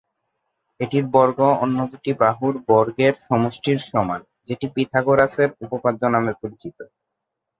এটির বর্গ অন্য দুটি বাহুর বর্গের সমষ্টির সমান, যেটি পিথাগোরাসের উপপাদ্য নামে পরিচিত।